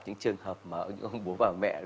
những trường hợp mà bố bà mẹ